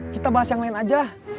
kita bahas yang lain aja